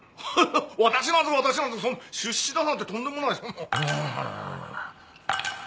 私なんぞ私なんぞ出資だなんてとんでもない！